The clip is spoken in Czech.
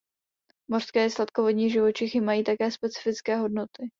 Mořské i sladkovodní živočichy mají také specifické hodnoty.